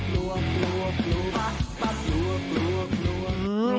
คลานโบ้ย